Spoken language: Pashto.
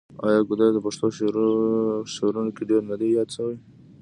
آیا ګودر د پښتو شعرونو کې ډیر نه دی یاد شوی؟